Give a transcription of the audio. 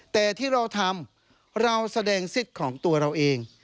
แต่ที่เราทำเราแสดงสิทธิ์ของตัวเราเอง